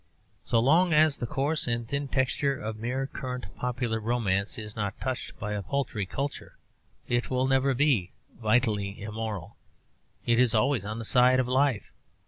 So long as the coarse and thin texture of mere current popular romance is not touched by a paltry culture it will never be vitally immoral. It is always on the side of life.